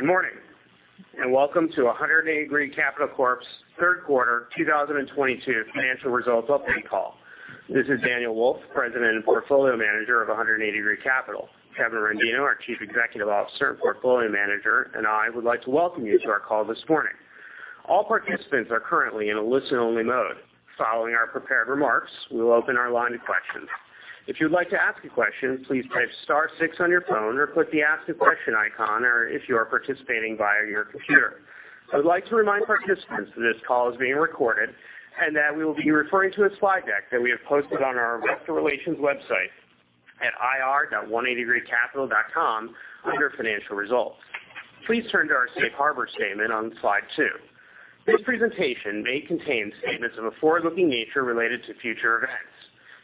Good morning, and welcome to 180 Degree Capital Corp.'s third quarter 2022 financial results update call. This is Daniel Wolfe, president and portfolio manager of 180 Degree Capital. Kevin Rendino, our Chief Executive Officer and portfolio manager, and I would like to welcome you to our call this morning. All participants are currently in a listen-only mode. Following our prepared remarks, we will open our line to questions. If you'd like to ask a question, please type star six on your phone or click the Ask a Question icon or if you are participating via your computer. I would like to remind participants that this call is being recorded and that we will be referring to a slide deck that we have posted on our investor relations website at ir.180degreecapital.com under Financial Results. Please turn to our Safe Harbor statement on slide two. This presentation may contain statements of a forward-looking nature related to future events.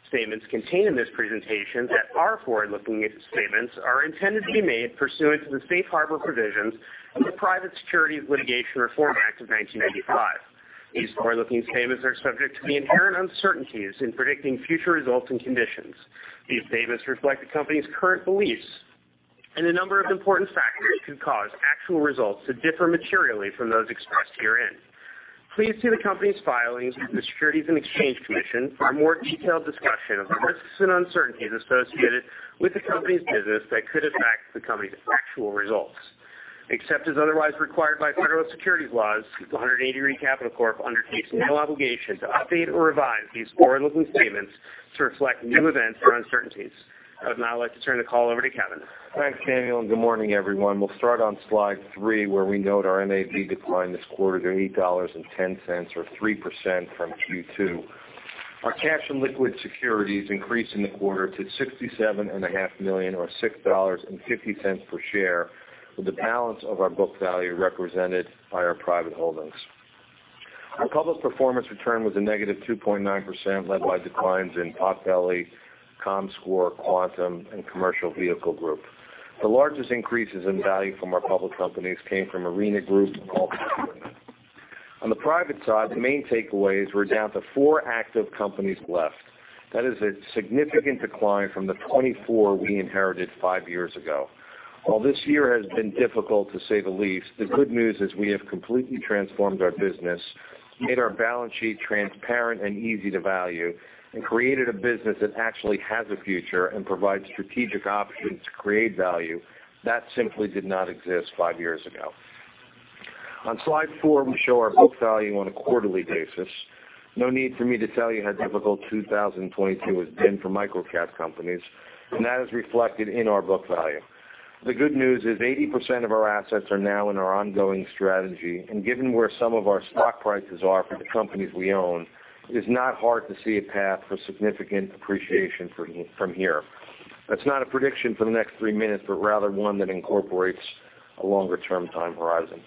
Statements contained in this presentation that are forward-looking statements are intended to be made pursuant to the Safe Harbor provisions of the Private Securities Litigation Reform Act of 1995. These forward-looking statements are subject to the inherent uncertainties in predicting future results and conditions. These statements reflect the company's current beliefs, and a number of important factors could cause actual results to differ materially from those expressed herein. Please see the company's filings with the Securities and Exchange Commission for a more detailed discussion of the risks and uncertainties associated with the company's business that could impact the company's actual results. Except as otherwise required by federal securities laws, 180 Degree Capital Corp. undertakes no obligation to update or revise these forward-looking statements to reflect new events or uncertainties. I would now like to turn the call over to Kevin. Thanks, Daniel, and good morning, everyone. We'll start on slide three, where we note our NAV declined this quarter to $8.10 or 3% from Q2. Our cash and liquid securities increased in the quarter to $sixty-seven and a half million or $6.50 per share, with the balance of our book value represented by our private holdings. Our public performance return was a -2.9%, led by declines in Potbelly, comScore, Quantum, and Commercial Vehicle Group. The largest increases in value from our public companies came from Arena Group and Alta Equipment Group. On the private side, the main takeaways were down to four active companies left. That is a significant decline from the 24 we inherited five years ago. While this year has been difficult, to say the least, the good news is we have completely transformed our business, made our balance sheet transparent and easy to value, and created a business that actually has a future and provides strategic options to create value that simply did not exist five years ago. On slide 4, we show our book value on a quarterly basis. No need for me to tell you how difficult 2022 has been for microcap companies, and that is reflected in our book value. The good news is 80% of our assets are now in our ongoing strategy, and given where some of our stock prices are for the companies we own, it is not hard to see a path for significant appreciation from here. That's not a prediction for the next three minutes, but rather one that incorporates a longer-term time horizon.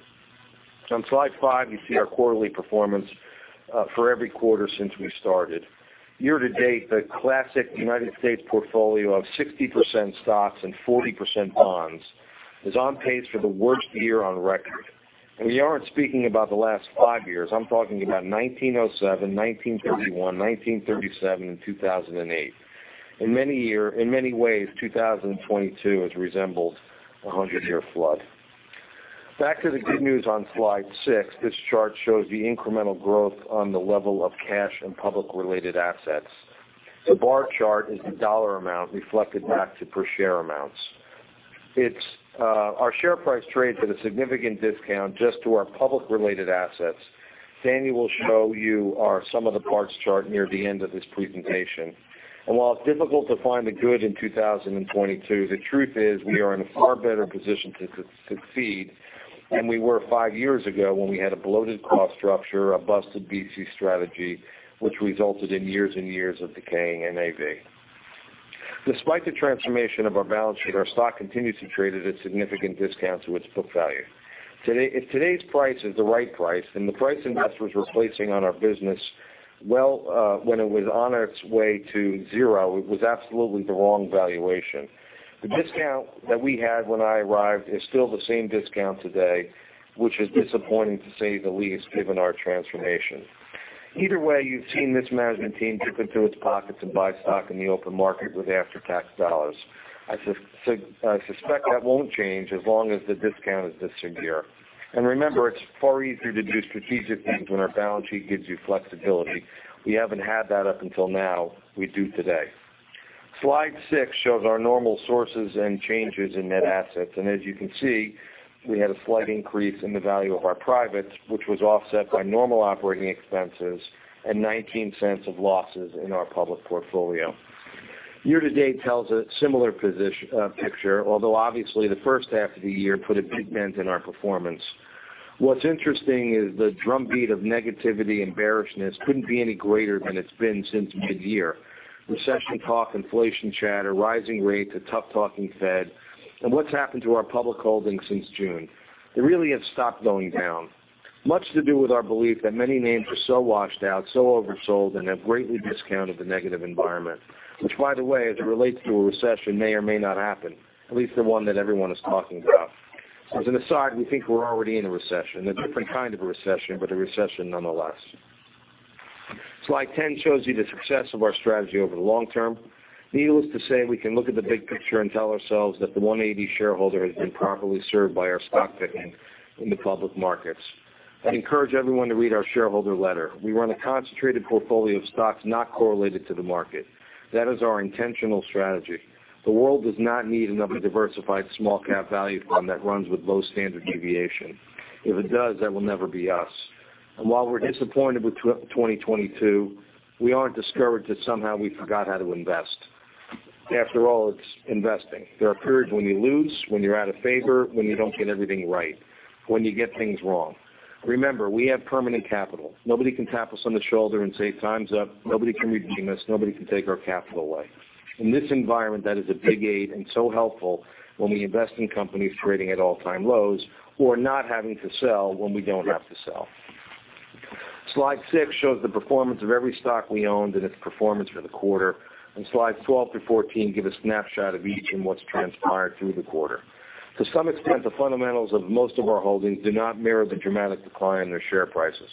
On slide five, you see our quarterly performance for every quarter since we started. Year to date, the classic United States portfolio of 60% stocks and 40% bonds is on pace for the worst year on record. We aren't speaking about the last five years. I'm talking about 1907, 1931, 1937, and 2008. In many ways, 2022 has resembled a 100-year flood. Back to the good news on slide six. This chart shows the incremental growth on the level of cash and public-related assets. The bar chart is the dollar amount reflected back to per share amounts. It's our share price trades at a significant discount just to our public-related assets. Daniel will show you our sum of the parts chart near the end of this presentation. While it's difficult to find the good in 2022, the truth is we are in a far better position to succeed than we were five years ago when we had a bloated cost structure, a busted VC strategy, which resulted in years and years of decaying NAV. Despite the transformation of our balance sheet, our stock continues to trade at a significant discount to its book value. Today. If today's price is the right price, then the price investors were placing on our business well, when it was on its way to zero, it was absolutely the wrong valuation. The discount that we had when I arrived is still the same discount today, which is disappointing to say the least, given our transformation. Either way, you've seen this management team dip into its pockets and buy stock in the open market with after-tax dollars. I suspect that won't change as long as the discount is this severe. Remember, it's far easier to do strategic things when our balance sheet gives you flexibility. We haven't had that up until now. We do today. Slide six shows our normal sources and changes in net assets. As you can see, we had a slight increase in the value of our privates, which was offset by normal operating expenses and $0.19 of losses in our public portfolio. Year to date tells a similar picture, although obviously the first half of the year put a big dent in our performance. What's interesting is the drumbeat of negativity and bearishness couldn't be any greater than it's been since mid-year. Recession talk, inflation chatter, rising rates, a tough-talking Fed. What's happened to our public holdings since June? They really have stopped going down. Much to do with our belief that many names are so washed out, so oversold, and have greatly discounted the negative environment, which, by the way, as it relates to a recession, may or may not happen, at least the one that everyone is talking about. As an aside, we think we're already in a recession, a different kind of a recession, but a recession nonetheless. Slide 10 shows you the success of our strategy over the long term. Needless to say, we can look at the big picture and tell ourselves that the 180 shareholder has been properly served by our stock picking in the public markets. I'd encourage everyone to read our shareholder letter. We run a concentrated portfolio of stocks not correlated to the market. That is our intentional strategy. The world does not need another diversified small cap value fund that runs with low standard deviation. If it does, that will never be us. While we're disappointed with 2022, we aren't discouraged that somehow we forgot how to invest. After all, it's investing. There are periods when you lose, when you're out of favor, when you don't get everything right, when you get things wrong. Remember, we have permanent capital. Nobody can tap us on the shoulder and say, "Time's up." Nobody can redeem us. Nobody can take our capital away. In this environment, that is a big aid and so helpful when we invest in companies trading at all-time lows or not having to sell when we don't have to sell. Slide 6 shows the performance of every stock we owned and its performance for the quarter. Slides 12 through 14 give a snapshot of each and what's transpired through the quarter. To some extent, the fundamentals of most of our holdings do not mirror the dramatic decline in their share prices.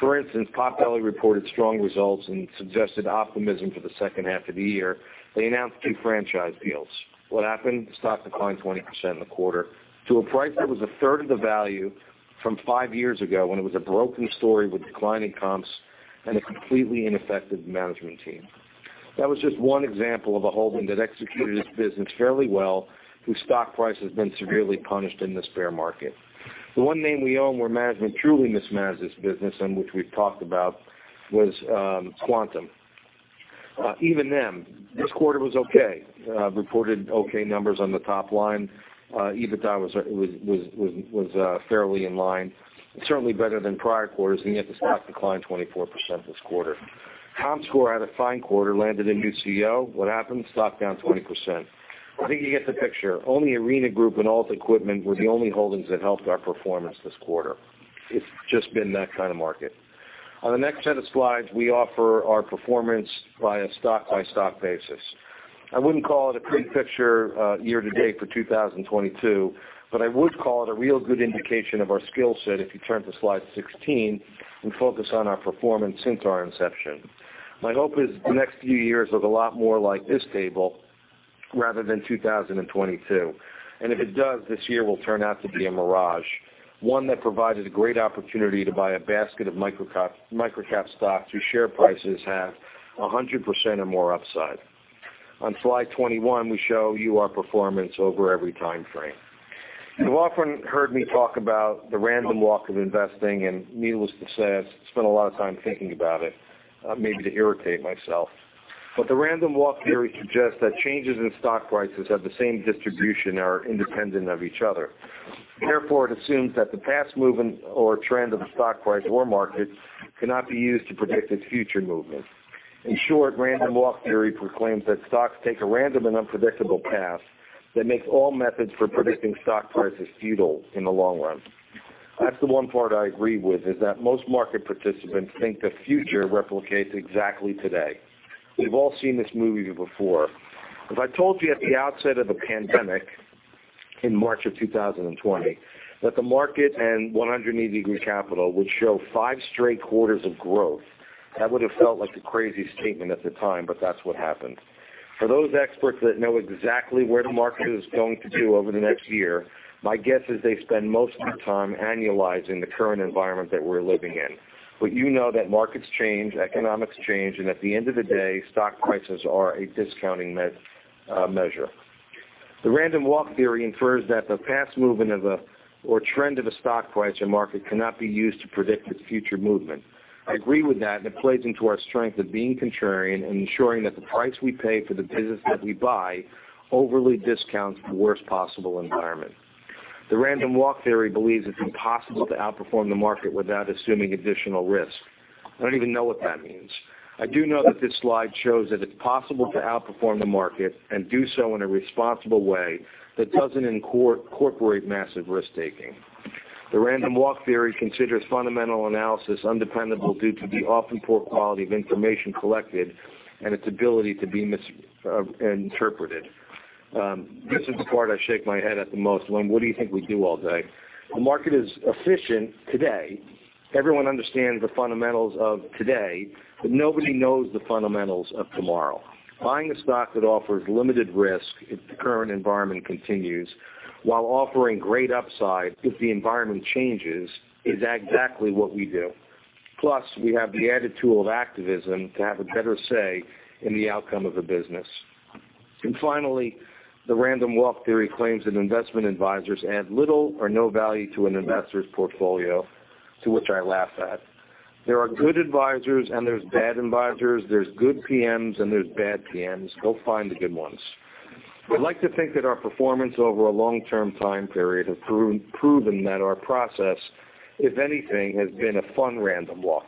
For instance, Potbelly reported strong results and suggested optimism for the second half of the year. They announced two franchise deals. What happened? The stock declined 20% in the quarter to a price that was a third of the value from 5 years ago when it was a broken story with declining comps and a completely ineffective management team. That was just one example of a holding that executed its business fairly well, whose stock price has been severely punished in this bear market. The one name we own where management truly mismanaged this business, and which we've talked about, was Quantum. Even them, this quarter was okay. Reported okay numbers on the top line. EBITDA was fairly in line and certainly better than prior quarters, and yet the stock declined 24% this quarter. comScore had a fine quarter, landed a new CEO. What happened? The stock down 20%. I think you get the picture. Only Arena Group and Alta Equipment were the only holdings that helped our performance this quarter. It's just been that kind of market. On the next set of slides, we offer our performance by a stock-by-stock basis. I wouldn't call it a pretty picture, year to date for 2022, but I would call it a real good indication of our skill set if you turn to slide 16 and focus on our performance since our inception. My hope is the next few years look a lot more like this table rather than 2022. If it does, this year will turn out to be a mirage, one that provided a great opportunity to buy a basket of microcap stocks whose share prices have 100% or more upside. On slide 21, we show you our performance over every time frame. You've often heard me talk about the random walk of investing, and needless to say, I've spent a lot of time thinking about it, maybe to irritate myself. The random walk theory suggests that changes in stock prices have the same distribution and are independent of each other. Therefore, it assumes that the past movement or trend of a stock price or market cannot be used to predict its future movement. In short, random walk theory proclaims that stocks take a random and unpredictable path that makes all methods for predicting stock prices futile in the long run. That's the one part I agree with, is that most market participants think the future replicates exactly today. We've all seen this movie before. If I told you at the outset of the pandemic in March 2020 that the market and 180 Degree Capital would show five straight quarters of growth, that would have felt like a crazy statement at the time, but that's what happened. For those experts that know exactly where the market is going to go over the next year, my guess is they spend most of their time annualizing the current environment that we're living in. You know that markets change, economics change, and at the end of the day, stock prices are a discounting measure. The random walk theory infers that the past movement of a or trend of a stock price or market cannot be used to predict its future movement. I agree with that, and it plays into our strength of being contrarian and ensuring that the price we pay for the business that we buy overly discounts the worst possible environment. The random walk theory believes it's impossible to outperform the market without assuming additional risk. I don't even know what that means. I do know that this slide shows that it's possible to outperform the market and do so in a responsible way that doesn't incorporate massive risk-taking. The random walk theory considers fundamental analysis undependable due to the often poor quality of information collected and its ability to be misinterpreted. This is the part I shake my head at the most when what do you think we do all day? The market is efficient today. Everyone understands the fundamentals of today, but nobody knows the fundamentals of tomorrow. Buying a stock that offers limited risk if the current environment continues while offering great upside if the environment changes is exactly what we do. Plus, we have the added tool of activism to have a better say in the outcome of a business. Finally, the random walk theory claims that investment advisors add little or no value to an investor's portfolio, to which I laugh at. There are good advisors and there's bad advisors. There's good PMs and there's bad PMs. Go find the good ones. I'd like to think that our performance over a long-term time period has proven that our process, if anything, has been a fun random walk.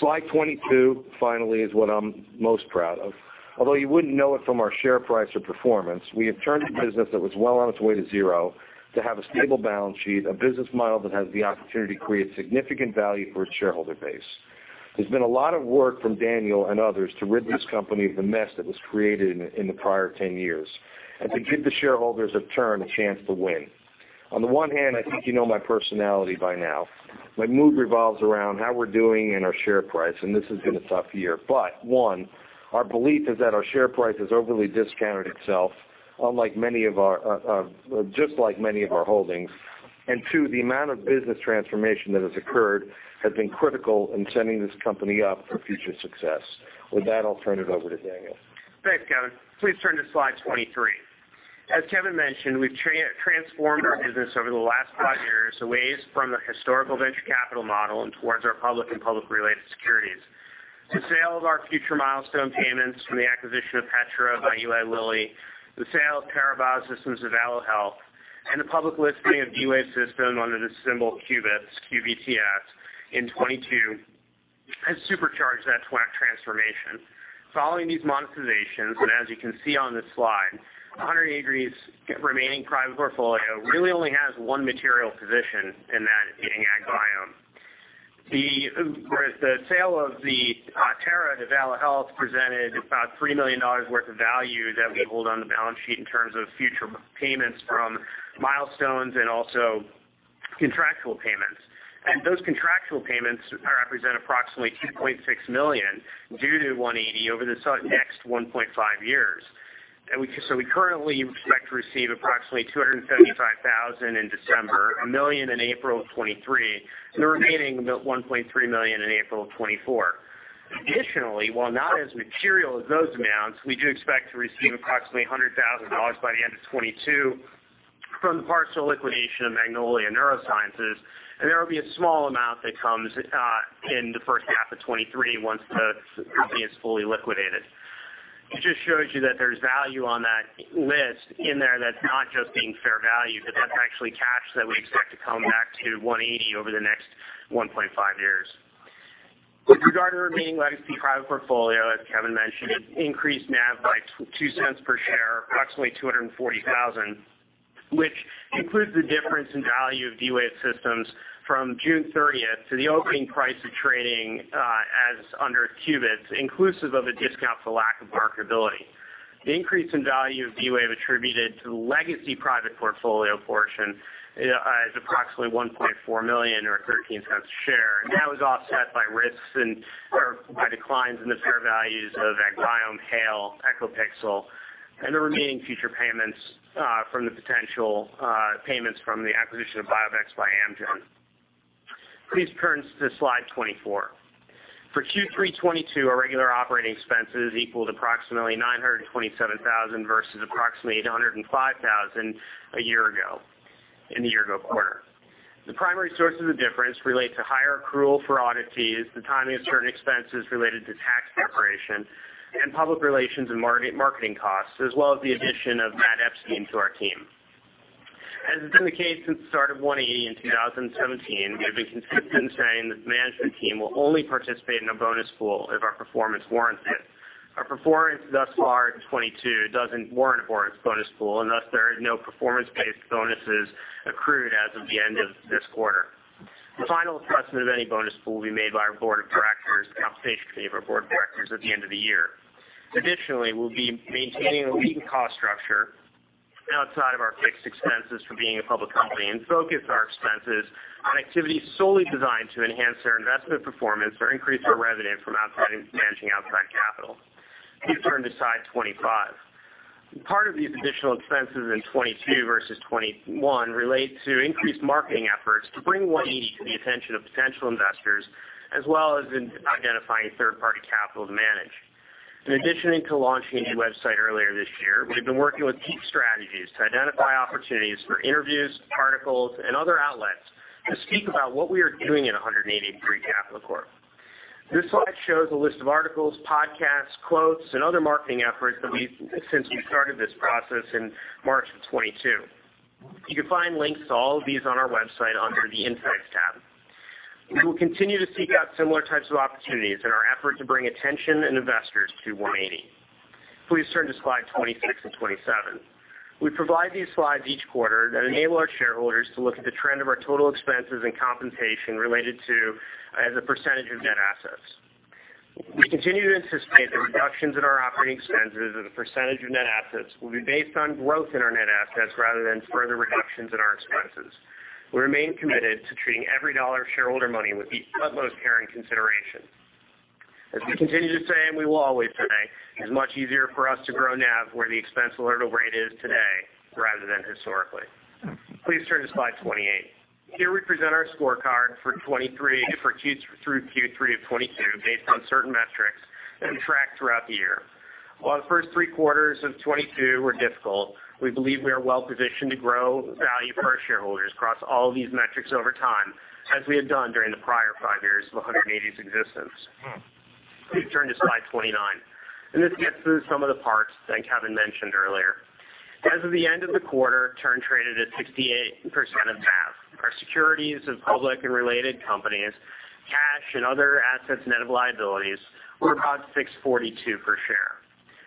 Slide 22, finally, is what I'm most proud of. Although you wouldn't know it from our share price or performance, we have turned a business that was well on its way to zero to have a stable balance sheet, a business model that has the opportunity to create significant value for its shareholder base. There's been a lot of work from Daniel and others to rid this company of the mess that was created in the prior 10 years and to give the shareholders of TURN a chance to win. On the one hand, I think you know my personality by now. My mood revolves around how we're doing and our share price, and this has been a tough year. One, our belief is that our share price has overly discounted itself, unlike many of our, just like many of our holdings. Two, the amount of business transformation that has occurred has been critical in setting this company up for future success. With that, I'll turn it over to Daniel. Thanks, Kevin. Please turn to slide 23. As Kevin mentioned, we've transformed our business over the last 5 years away from the historical venture capital model and towards our public and public-related securities. The sale of our future milestone payments from the acquisition of Petra by Eli Lilly, the sale of TARA Biosystems to Valo Health, and the public listing of D-Wave Systems under the symbol QBTS in 2022 has supercharged that transformation. Following these monetizations, and as you can see on this slide, 180's remaining private portfolio really only has 1 material position, and that being AgBiome. Whereas the sale of Tara to Valo Health presented about $3 million worth of value that we hold on the balance sheet in terms of future payments from milestones and also contractual payments. Those contractual payments represent approximately $2.6 million due to 180 over this next 1.5 years. We currently expect to receive approximately $275,000 in December, $1 million in April 2023, and the remaining $1.3 million in April 2024. Additionally, while not as material as those amounts, we do expect to receive approximately $100,000 by the end of 2022 from the partial liquidation of Magnolia Neurosciences, and there will be a small amount that comes in the first half of 2023 once the company is fully liquidated. It just shows you that there's value on that list in there that's not just being fair value, but that's actually cash that we expect to come back to 180 over the next 1.5 years. With regard to remaining legacy private portfolio, as Kevin mentioned, it increased NAV by $0.02 per share, approximately $240,000, which includes the difference in value of D-Wave Systems from June 30 to the opening price of trading as under QBTS, inclusive of a discount for lack of marketability. The increase in value of D-Wave attributed to the legacy private portfolio portion is approximately $1.4 million or $0.13 a share, and that was offset by declines in the fair values of AgBiome, HALE.life, EchoPixel, and the remaining future payments from the potential payments from the acquisition of BioVex by Amgen. Please turn to slide 24. For Q3 2022, our regular operating expenses equaled approximately $927,000 versus approximately $805,000 a year ago, in the year-ago quarter. The primary source of the difference relate to higher accrual for audit fees, the timing of certain expenses related to tax preparation, and public relations and marketing costs, as well as the addition of Matt Epstein to our team. As has been the case since the start of 180 in 2017, we have been consistent in saying that the management team will only participate in a bonus pool if our performance warrants it. Our performance thus far in 2022 doesn't warrant a bonus pool, and thus there are no performance-based bonuses accrued as of the end of this quarter. The final assessment of any bonus pool will be made by our board of directors, the compensation committee of our board of directors at the end of the year. We'll be maintaining a lean cost structure outside of our fixed expenses from being a public company and focus our expenses on activities solely designed to enhance our investment performance or increase our revenue from outside managing outside capital. Please turn to slide 25. Part of these additional expenses in 2022 versus 2021 relate to increased marketing efforts to bring 180 to the attention of potential investors, as well as in identifying third-party capital to manage. In addition to launching a new website earlier this year, we've been working with Peaks Strategies to identify opportunities for interviews, articles, and other outlets to speak about what we are doing at 180 Degree Capital Corp. This slide shows a list of articles, podcasts, quotes, and other marketing efforts that we've since we started this process in March 2022. You can find links to all of these on our website under the Insights tab. We will continue to seek out similar types of opportunities in our effort to bring attention and investors to 180. Please turn to slide 26 and 27. We provide these slides each quarter that enable our shareholders to look at the trend of our total expenses and compensation related to as a percentage of net assets. We continue to anticipate that reductions in our operating expenses as a percentage of net assets will be based on growth in our net assets rather than further reductions in our expenses. We remain committed to treating every dollar of shareholder money with the utmost care and consideration. As we continue to say, and we will always say, it's much easier for us to grow NAV where the expense hurdle rate is today rather than historically. Please turn to slide 28. Here we present our scorecard through Q3 of 2022 based on certain metrics that we track throughout the year. While the first three quarters of 2022 were difficult, we believe we are well-positioned to grow value per our shareholders across all of these metrics over time, as we have done during the prior five years of 180's existence. Please turn to slide 29. This gets to some of the parts that Kevin mentioned earlier. As of the end of the quarter, TURN traded at 68% of NAV. Our securities of public and related companies, cash, and other assets net of liabilities were about $6.42 per share.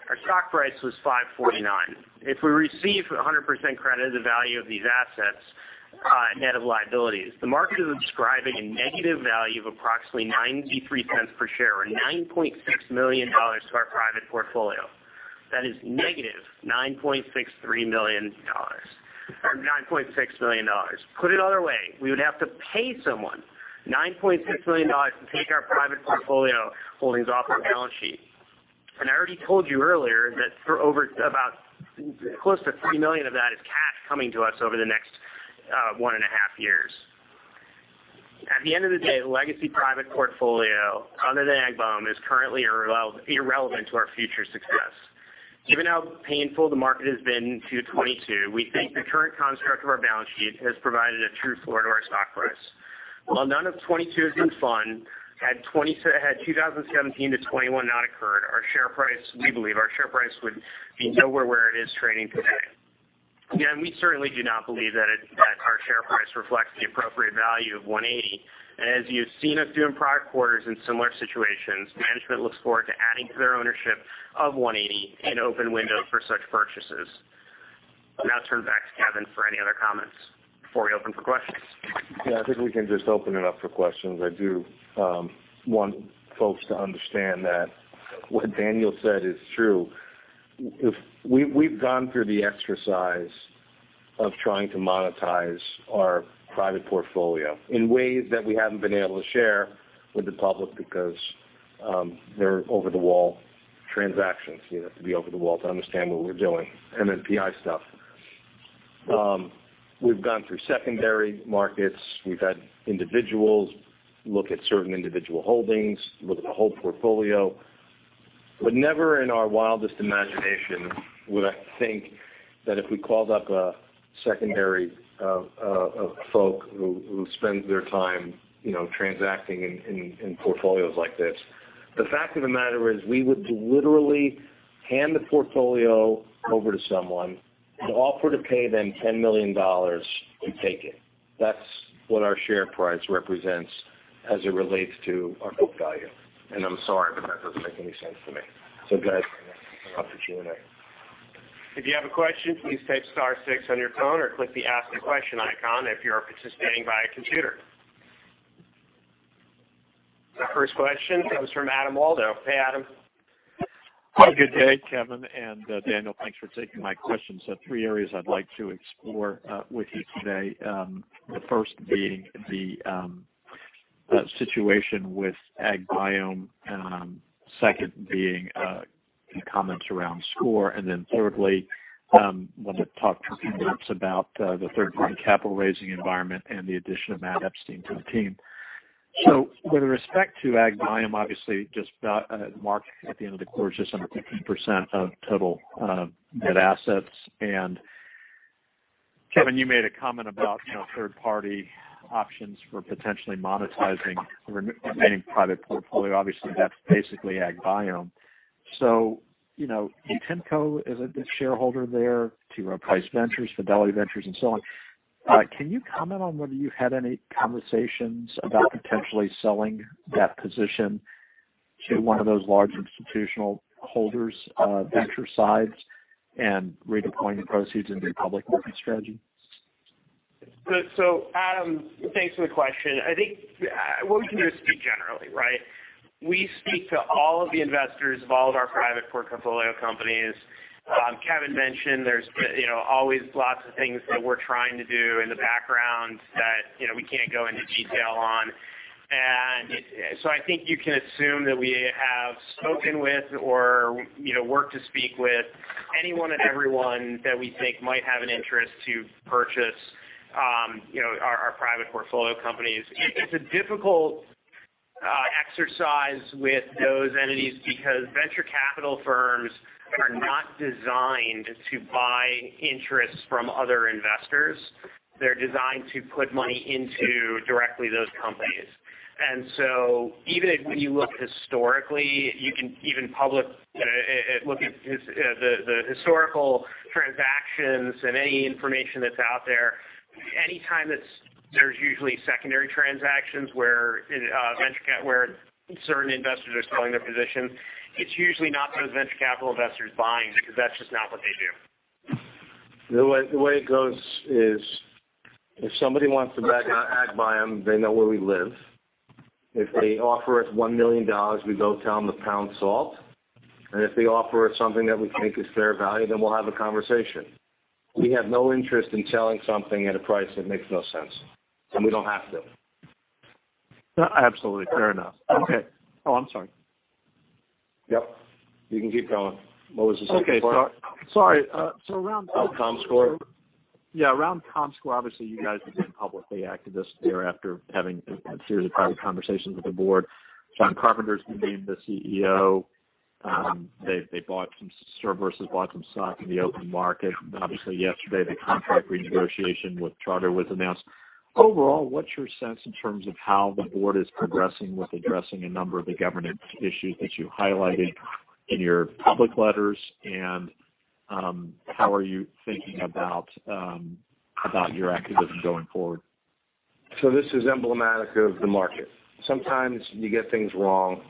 Our stock price was $5.49. If we receive 100% credit of the value of these assets, net of liabilities, the market is ascribing a negative value of approximately $0.93 per share or $9.6 million to our private portfolio. That is negative $9.6 million or $9.6 million. Put it another way, we would have to pay someone $9.6 million to take our private portfolio holdings off our balance sheet. I already told you earlier that for over about close to $3 million of that is cash coming to us over the next 1.5 years. At the end of the day, legacy private portfolio other than AgBiome is currently irrelevant to our future success. Given how painful the market has been to 2022, we think the current construct of our balance sheet has provided a true floor to our stock price. While none of 2022 has been fun, had 2017 to 2021 not occurred, our share price, we believe our share price would be nowhere where it is trading today. Again, we certainly do not believe that our share price reflects the appropriate value of 180. As you've seen us do in prior quarters in similar situations, management looks forward to adding to their ownership of 180 in open windows for such purchases. I'll now turn back to Kevin for any other comments before we open for questions. Yeah, I think we can just open it up for questions. I do want folks to understand that what Daniel said is true. We've gone through the exercise of trying to monetize our private portfolio in ways that we haven't been able to share with the public because they're over-the-wall transactions. You have to be over the wall to understand what we're doing, NNPI stuff. We've gone through secondary markets. We've had individuals look at certain individual holdings, look at the whole portfolio. Never in our wildest imagination would I think that if we called up a secondary folk who spends their time, you know, transacting in portfolios like this, the fact of the matter is we would literally hand the portfolio over to someone and offer to pay them $10 million to take it. That's what our share price represents as it relates to our book value. I'm sorry, but that doesn't make any sense to me. Go ahead, and off to Q&A. If you have a question, please type star six on your phone or click the Ask a Question icon if you are participating via computer. The first question comes from Adam Waldo. Hey, Adam. Good day, Kevin and Daniel. Thanks for taking my questions. Three areas I'd like to explore with you today. The first being the situation with AgBiome, second being comments around comScore, and then thirdly, want to talk for a few minutes about the third-party capital raising environment and the addition of Matt Epstein to the team. With respect to AgBiome, obviously just about marked at the end of the quarter, just under 15% of total net assets. Kevin, you made a comment about, you know, third-party options for potentially monetizing remaining private portfolio. Obviously, that's basically AgBiome. You know, Temco is a shareholder there, T. Rowe Price, Fidelity Ventures, and so on. Can you comment on whether you had any conversations about potentially selling that position to one of those large institutional holders, ventures and redeploying the proceeds into your public market strategy? Adam, thanks for the question. I think, what we can do is speak generally, right? We speak to all of the investors of all of our private portfolio companies. Kevin mentioned there's, you know, always lots of things that we're trying to do in the background that, you know, we can't go into detail on. I think you can assume that we have spoken with or, you know, worked to speak with anyone and everyone that we think might have an interest to purchase, you know, our private portfolio companies. It's a difficult exercise with those entities because venture capital firms are not designed to buy interests from other investors. They're designed to put money into directly those companies. Even if, when you look historically, you can even publicly look at the historical transactions and any information that's out there, anytime there's usually secondary transactions where certain investors are selling their position, it's usually not those venture capital investors buying because that's just not what they do. The way it goes is if somebody wants to back our AgBiome, they know where we live. If they offer us $1 million, we go tell them to pound salt. If they offer us something that we think is fair value, then we'll have a conversation. We have no interest in selling something at a price that makes no sense, and we don't have to. Absolutely. Fair enough. Okay. Oh, I'm sorry. Yep, you can keep going. What was the second part? Okay. Sorry. Around- Comscore. Yeah, around comScore, obviously, you guys have been publicly activist there after having a series of private conversations with the board. Jon Carpenter's been named the CEO. They've bought some stock in the open market. Obviously, yesterday, the contract renegotiation with Charter was announced. Overall, what's your sense in terms of how the board is progressing with addressing a number of the governance issues that you highlighted in your public letters? How are you thinking about your activism going forward? This is emblematic of the market. Sometimes you get things wrong,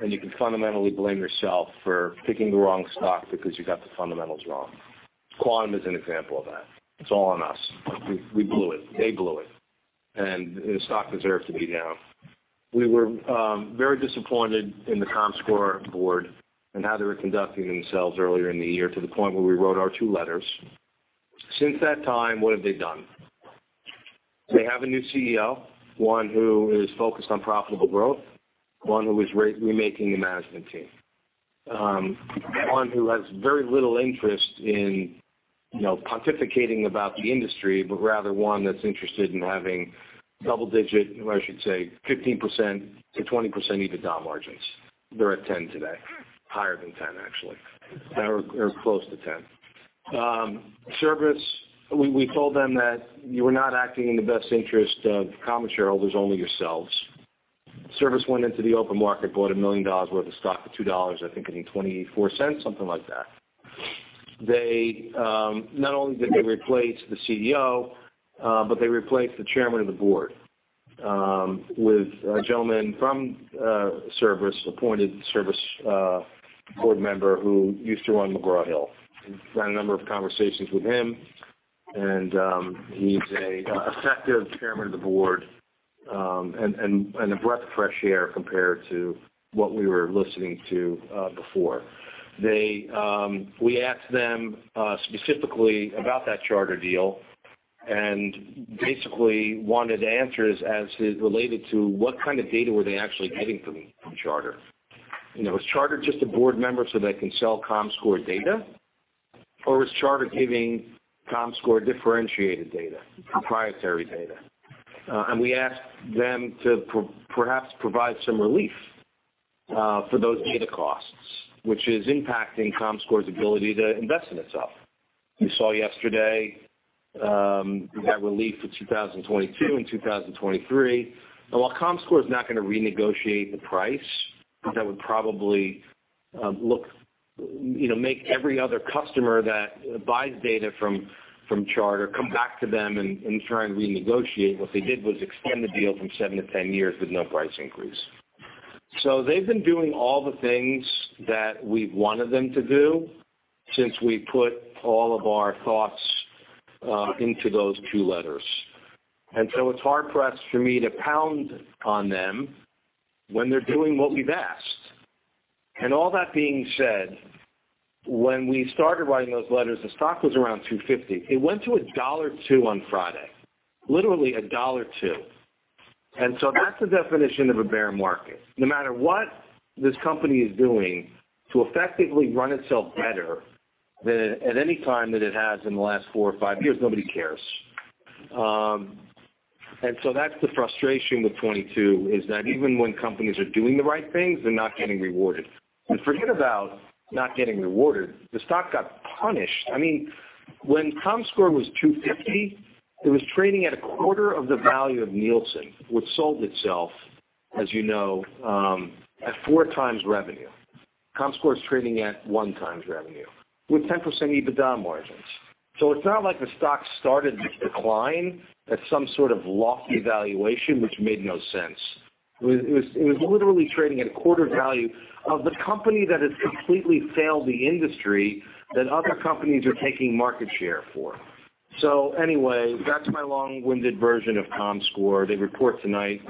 and you can fundamentally blame yourself for picking the wrong stock because you got the fundamentals wrong. Quantum is an example of that. It's all on us. We blew it. They blew it. The stock deserves to be down. We were very disappointed in the comScore board and how they were conducting themselves earlier in the year to the point where we wrote our two letters. Since that time, what have they done? They have a new CEO, one who is focused on profitable growth, one who is re-remaking the management team. One who has very little interest in, you know, pontificating about the industry, but rather one that's interested in having double-digit, or I should say 15%-20% EBITDA margins. They're at 10% today, higher than 10% actually. They were close to 10. Cerberus, we told them that you are not acting in the best interest of common shareholders, only yourselves. Cerberus went into the open market, bought $1 million worth of stock for $2, I think, and 24 cents, something like that. They not only did they replace the CEO, but they replaced the chairman of the board with a gentleman from Cerberus, appointed Cerberus board member who used to run McGraw Hill. I've had a number of conversations with him, and he's an effective chairman of the board and a breath of fresh air compared to what we were listening to before. We asked them specifically about that Charter deal and basically wanted answers as it related to what kind of data were they actually getting from Charter. You know, is Charter just a board member so they can sell comScore data? Or is Charter giving comScore differentiated data, proprietary data? We asked them to perhaps provide some relief for those data costs, which is impacting comScore's ability to invest in itself. You saw yesterday we had relief for 2022 and 2023. While comScore is not gonna renegotiate the price, because that would probably look, you know, make every other customer that buys data from Charter come back to them and try and renegotiate, what they did was extend the deal from 7 to 10 years with no price increase. They've been doing all the things that we've wanted them to do since we put all of our thoughts into those two letters. It's hard for us, for me, to pound on them when they're doing what we've asked. All that being said, when we started writing those letters, the stock was around $2.50. It went to $1.02 on Friday, literally $1.02. That's the definition of a bear market. No matter what this company is doing to effectively run itself better than at any time that it has in the last four or five years, nobody cares. That's the frustration with 2022, is that even when companies are doing the right things, they're not getting rewarded. Forget about not getting rewarded, the stock got punished. I mean, when comScore was $250, it was trading at a quarter of the value of Nielsen, which sold itself, as you know, at 4x revenue. comScore is trading at 1x revenue with 10% EBITDA margins. It's not like the stock started this decline at some sort of lofty valuation which made no sense. It was literally trading at a quarter value of the company that has completely failed the industry that other companies are taking market share for. Anyway, that's my long-winded version of comScore. They report tonight.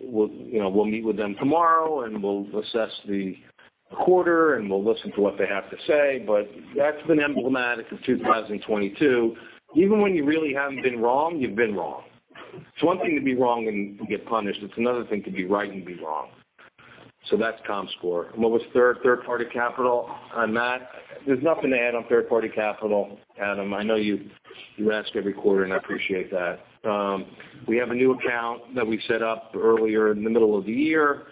You know, we'll meet with them tomorrow, and we'll assess the quarter, and we'll listen to what they have to say. That's been emblematic of 2022. Even when you really haven't been wrong, you've been wrong. It's one thing to be wrong and get punished. It's another thing to be right and be wrong. That's comScore. What was third party capital? On that, there's nothing to add on third party capital, Adam. I know you ask every quarter, and I appreciate that. We have a new account that we set up earlier in the middle of the year.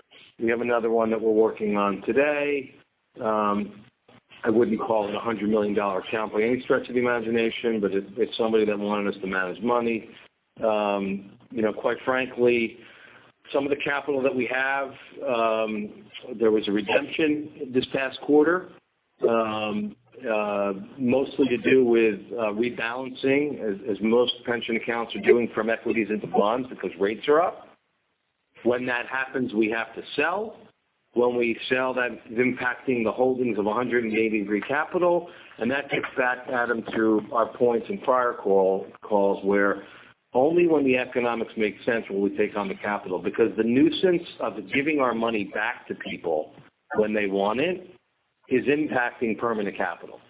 We have another one that we're working on today. I wouldn't call it a $100 million account by any stretch of the imagination, but it's somebody that wanted us to manage money. You know, quite frankly, some of the capital that we have, there was a redemption this past quarter, mostly to do with rebalancing as most pension accounts are doing from equities into bonds because rates are up. When that happens, we have to sell. When we sell, that's impacting the holdings of 180 Degree Capital. That takes us back, Adam, to our points in prior calls, where only when the economics make sense will we take on the capital. Because the nuisance of giving our money back to people when they want it is impacting permanent capital.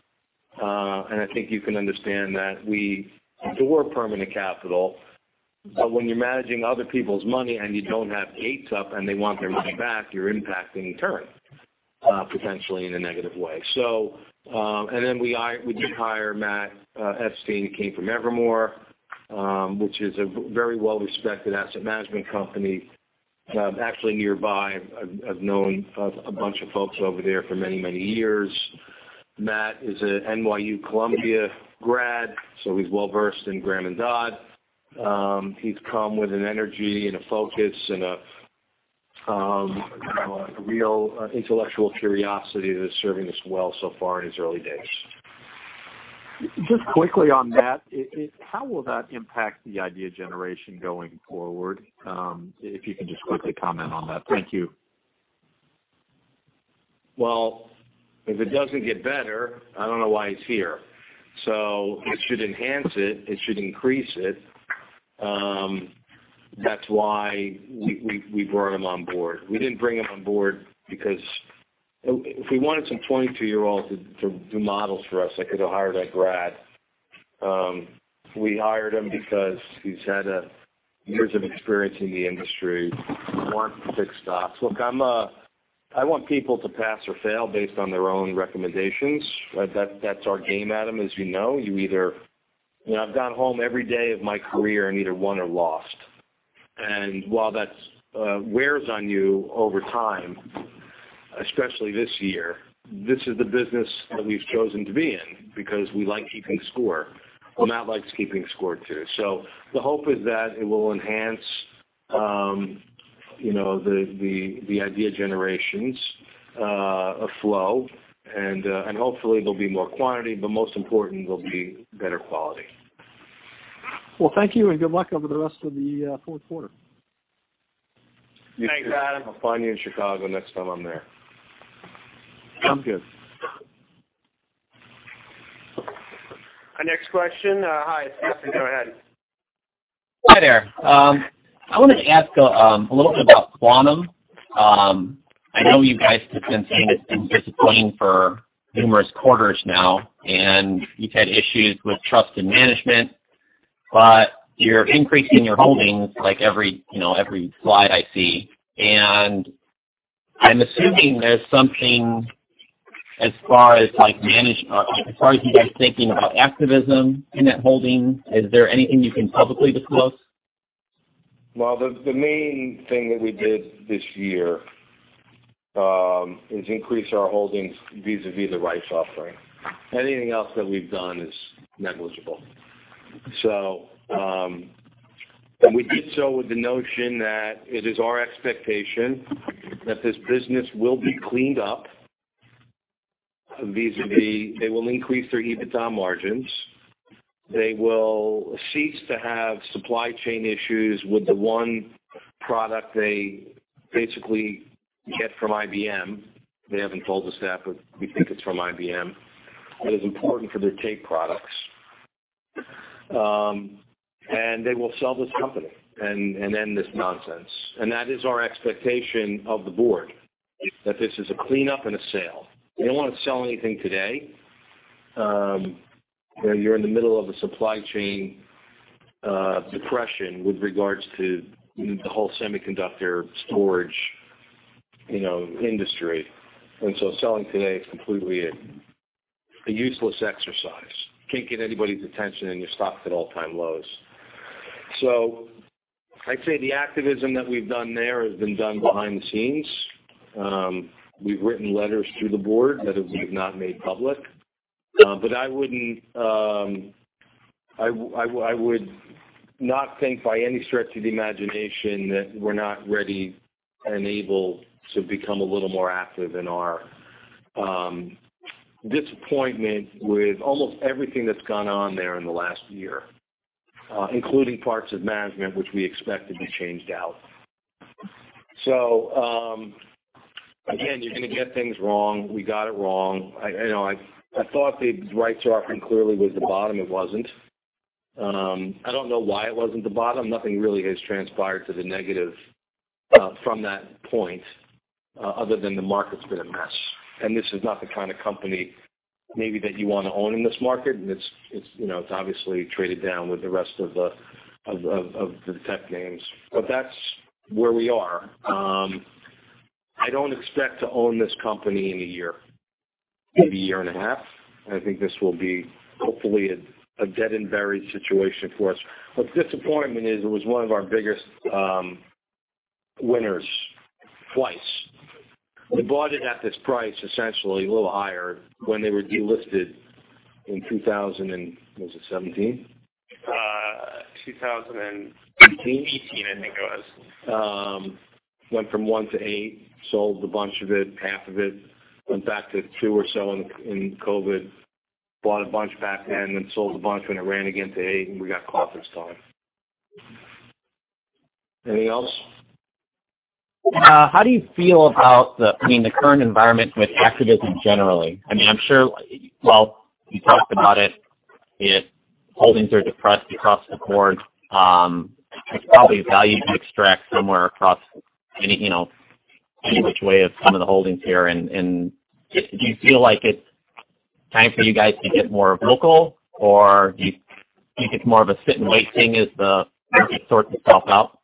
I think you can understand that we adore permanent capital, but when you're managing other people's money and you don't have gates up and they want their money back, you're impacting return, potentially in a negative way. We did hire Matt Epstein, who came from Evermore, which is a very well-respected asset management company, actually nearby. I've known a bunch of folks over there for many years. Matt is a NYU Columbia grad, so he's well-versed in Graham and Dodd. He's come with an energy and a focus and a real intellectual curiosity that is serving us well so far in his early days. Just quickly on that, how will that impact the idea generation going forward? If you can just quickly comment on that. Thank you. If it doesn't get better, I don't know why he's here. It should enhance it. It should increase it. That's why we brought him on board. We didn't bring him on board because if we wanted some 22-year-olds to do models for us, I could have hired a grad. We hired him because he's had years of experience in the industry. We weren't picking stocks. Look, I want people to pass or fail based on their own recommendations. That's our game, Adam, as you know. You know, I've gone home every day of my career and either won or lost. While that wears on you over time, especially this year, this is the business that we've chosen to be in because we like keeping score. Matt likes keeping score, too. The hope is that it will enhance, you know, the idea generations flow, and hopefully there'll be more quantity, but most important there'll be better quality. Well, thank you, and good luck over the rest of the fourth quarter. Thanks, Adam. I'll find you in Chicago next time I'm there. Sounds good. Our next question. Hi. It's Matthew. Go ahead. Hi there. I wanna ask a little bit about Quantum. I know you guys have been saying it's been disappointing for numerous quarters now, and you've had issues with trust and management, but you're increasing your holdings like every, you know, every slide I see. I'm assuming there's something as far as, like, as far as you guys thinking about activism in that holding. Is there anything you can publicly disclose? Well, the main thing that we did this year is increase our holdings vis-à-vis the rights offering. Anything else that we've done is negligible. We did so with the notion that it is our expectation that this business will be cleaned up vis-à-vis they will increase their EBITDA margins, they will cease to have supply chain issues with the one product they basically get from IBM. They haven't told the staff, but we think it's from IBM. That is important for their tape products. They will sell this company and end this nonsense. That is our expectation of the board, that this is a cleanup and a sale. We don't wanna sell anything today. You know, you're in the middle of a supply chain depression with regards to the whole semiconductor storage, you know, industry. Selling today is completely a useless exercise. Can't get anybody's attention, and your stock's at all-time lows. I'd say the activism that we've done there has been done behind the scenes. We've written letters to the board that we have not made public. But I would not think by any stretch of the imagination that we're not ready and able to become a little more active in our disappointment with almost everything that's gone on there in the last year, including parts of management, which we expect to be changed out. Again, you're gonna get things wrong. We got it wrong. You know, I thought the rights offering clearly was the bottom. It wasn't. I don't know why it wasn't the bottom. Nothing really has transpired to the negative from that point other than the market's been a mess. This is not the kind of company maybe that you wanna own in this market. It's, you know, it's obviously traded down with the rest of the tech names. That's where we are. I don't expect to own this company in a year, maybe a year and a half. I think this will be hopefully a dead and buried situation for us. Disappointment is, it was one of our biggest winners twice. We bought it at this price, essentially a little higher when they were delisted in 2017? 2000 Eighteen. 18, I think it was. Went from 1 to 8, sold a bunch of it, half of it. Went back to 2 or so in COVID. Bought a bunch back then, sold a bunch when it ran again to 8, we got caught this time. Anything else? How do you feel about I mean, the current environment with activism generally? I mean, I'm sure. Well, you talked about it, its holdings are depressed across the board. There's probably value to extract somewhere across any, you know, any which way of some of the holdings here. And do you feel like it's time for you guys to get more vocal, or do you think it's more of a sit and wait thing as things sort itself out?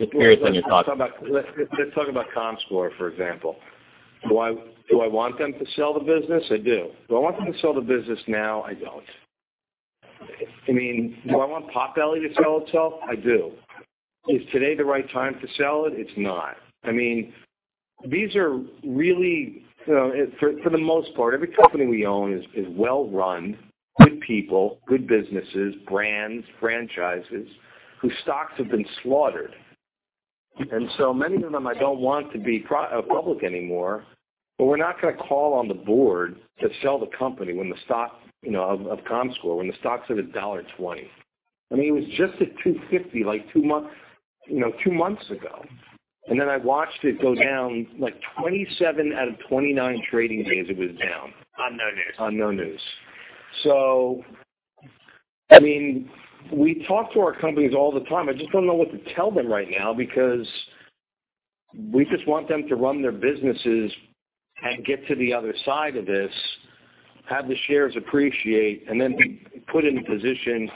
Just curious on your thoughts. Let's talk about comScore, for example. Do I want them to sell the business? I do. Do I want them to sell the business now? I don't. I mean, do I want Potbelly to sell itself? I do. Is today the right time to sell it? It's not. I mean, these are really. For the most part, every company we own is well-run, good people, good businesses, brands, franchises, whose stocks have been slaughtered. So many of them, I don't want to be public anymore. We're not gonna call on the board to sell the company when the stock, you know, of comScore, when the stock's at $1.20. I mean, it was just at $2.50, like two months ago. I watched it go down, like 27 out of 29 trading days it was down. On no news. On no news. I mean, we talk to our companies all the time. I just don't know what to tell them right now because we just want them to run their businesses and get to the other side of this, have the shares appreciate, and then be put in a position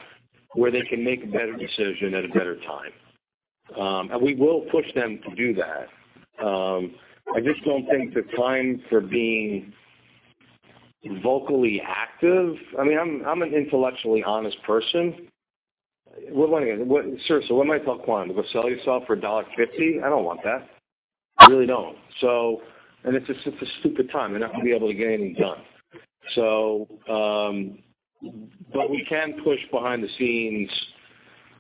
where they can make a better decision at a better time. We will push them to do that. I just don't think the time for being vocally active. I mean, I'm an intellectually honest person. What am I telling Quantum? To go sell yourself for $1.50? I don't want that. I really don't. It's a stupid time. They're not gonna be able to get anything done. We can push behind the scenes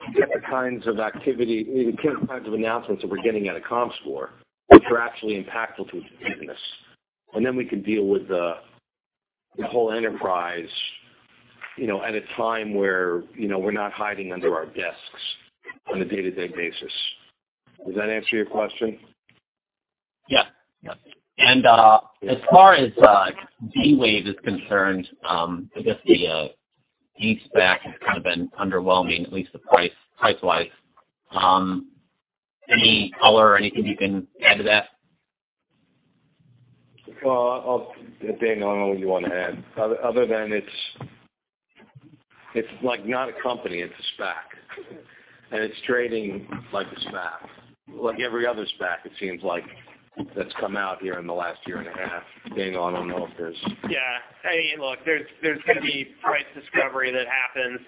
to get the kinds of activity, the kinds of announcements that we're getting out of comScore, which are actually impactful to the business. Then we can deal with the whole enterprise, you know, at a time where, you know, we're not hiding under our desks on a day-to-day basis. Does that answer your question? As far as D-Wave is concerned, I guess the D-Wave SPAC has kind of been underwhelming, at least the price-wise. Any color or anything you can add to that? Well, Dan, I don't know what you want to add. Other than it's like not a company, it's a SPAC. It's trading like a SPAC. Like every other SPAC, it seems like that's come out here in the last year and a half. Dan, I don't know if there's Yeah. I mean, look, there's gonna be price discovery that happens.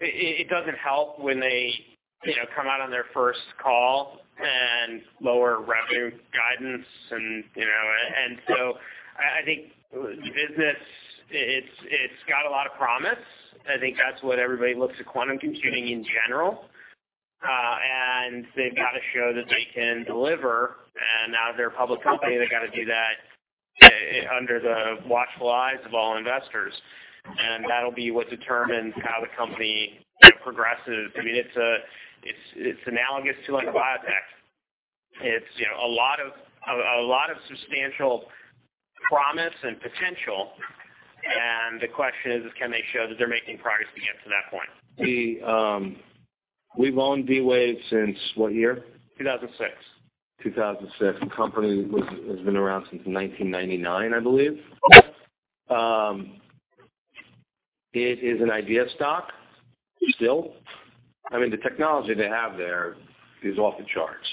It doesn't help when they, you know, come out on their first call and lower revenue guidance and, you know. I think the business, it's got a lot of promise. I think that's what everybody looks at quantum computing in general. They've got to show that they can deliver. Now they're a public company, they've got to do that under the watchful eyes of all investors. That'll be what determines how the company kind of progresses. I mean, it's analogous to a biotech. It's, you know, a lot of substantial promise and potential, and the question is, can they show that they're making progress to get to that point? We, we've owned D-Wave since what year? 2006. 2006. The company has been around since 1999, I believe. It is an idea stock still. I mean, the technology they have there is off the charts.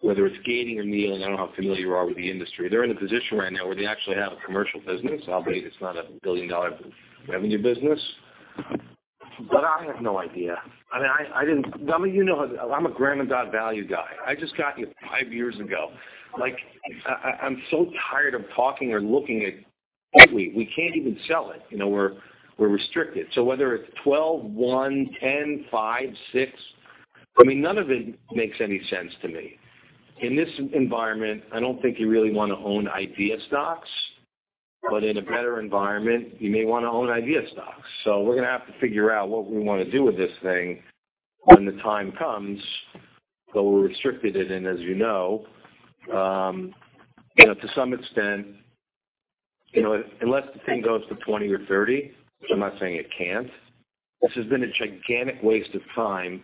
Whether it's gating or annealing, I don't know how familiar you are with the industry. They're in a position right now where they actually have a commercial business, albeit it's not a billion-dollar revenue business. But I have no idea. I mean, you know how I'm a Graham and Dodd value guy. I just got in 5 years ago. Like, I'm so tired of talking or looking at that we can't even sell it. You know, we're restricted. Whether it's $12, $1, $10, $5, $6, I mean, none of it makes any sense to me. In this environment, I don't think you really wanna own idea stocks. In a better environment, you may wanna own idea stocks. We're gonna have to figure out what we wanna do with this thing when the time comes. We're restricted it in, as you know. You know, to some extent, you know, unless the thing goes to 20 or 30, which I'm not saying it can't, this has been a gigantic waste of time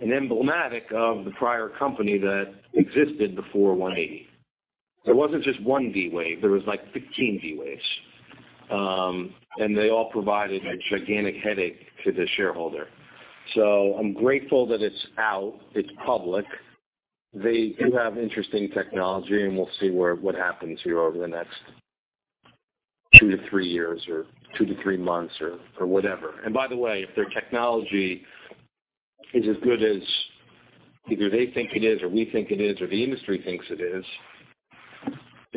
and emblematic of the prior company that existed before one eighty. There wasn't just one D-Wave, there was, like, 15 D-Waves. They all provided a gigantic headache to the shareholder. I'm grateful that it's out, it's public. They do have interesting technology, and we'll see what happens here over the next 2-3 years or 2-3 months or whatever. By the way, if their technology is as good as either they think it is or we think it is or the industry thinks it is,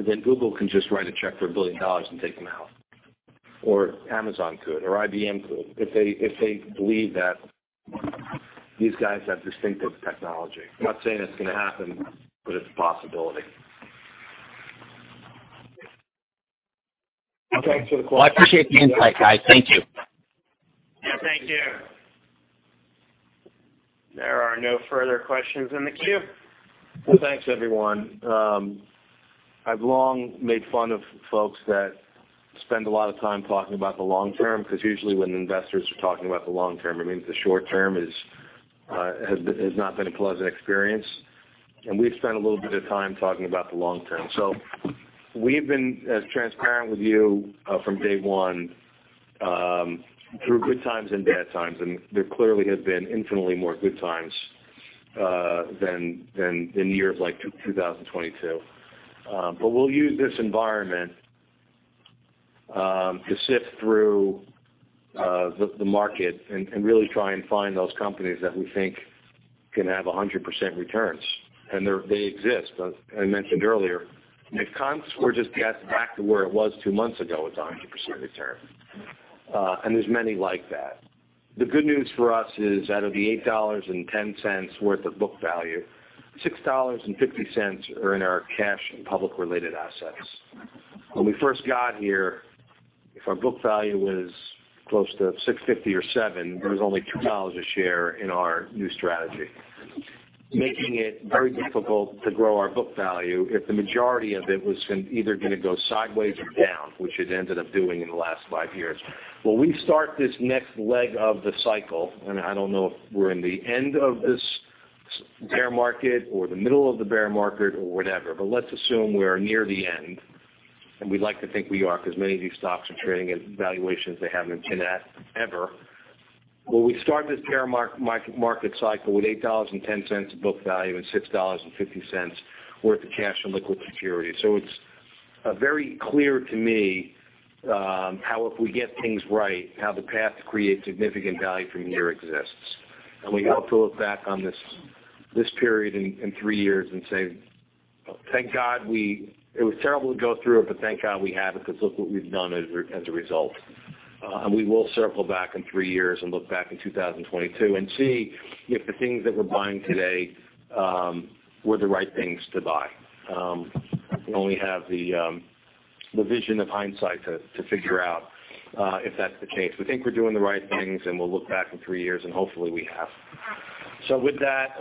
then Google can just write a check for $1 billion and take them out, or Amazon could or IBM could, if they believe that these guys have distinctive technology. I'm not saying it's gonna happen, but it's a possibility. Thanks for the call. I appreciate the insight, guys. Thank you. Yeah, thank you. There are no further questions in the queue. Well, thanks, everyone. I've long made fun of folks that spend a lot of time talking about the long term, because usually when investors are talking about the long term, it means the short term is has not been a pleasant experience. We've spent a little bit of time talking about the long term. We've been as transparent with you from day one through good times and bad times, and there clearly have been infinitely more good times than in years like 2022. But we'll use this environment to sift through the market and really try and find those companies that we think can have 100% returns. They exist. As I mentioned earlier, if comScore just gets back to where it was two months ago, it's a 100% return. There's many like that. The good news for us is out of the $8.10 worth of book value, $6.50 are in our cash and public related assets. When we first got here, if our book value was close to $6.50 or $7, there was only $2 a share in our new strategy, making it very difficult to grow our book value if the majority of it was either gonna go sideways or down, which it ended up doing in the last five years. When we start this next leg of the cycle, and I don't know if we're in the end of this bear market or the middle of the bear market or whatever, but let's assume we are near the end, and we'd like to think we are because many of these stocks are trading at valuations they haven't been at ever. When we start this bear market cycle with $8.10 of book value and $6.50 worth of cash and liquid securities. It's very clear to me how if we get things right, how the path to create significant value from here exists. We hope to look back on this period in three years and say, "Thank God it was terrible to go through it, but thank God we have it because look what we've done as a result." We will circle back in three years and look back in 2022 and see if the things that we're buying today were the right things to buy. We only have the vision of hindsight to figure out if that's the case. We think we're doing the right things, and we'll look back in three years, and hopefully, we have. With that,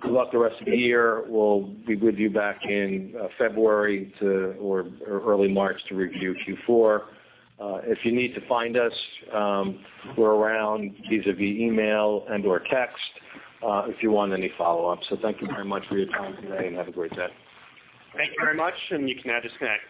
good luck the rest of the year. We'll be with you back in February or early March to review Q4. If you need to find us, we're around vis-a-vis email and/or text, if you want any follow-up. Thank you very much for your time today, and have a great day. Thank you very much, and you can now disconnect.